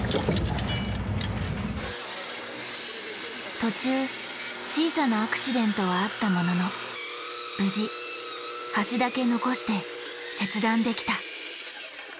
途中小さなアクシデントはあったものの無事端だけ残して切断できた。